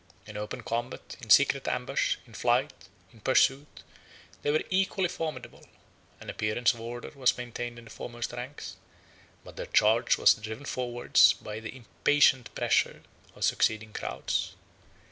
In open combat, in secret ambush, in flight, or pursuit, they were equally formidable; an appearance of order was maintained in the foremost ranks, but their charge was driven forwards by the impatient pressure of succeeding crowds.